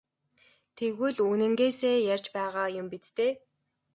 Тэгвэл үнэнээсээ ярьж байгаа юм биз дээ?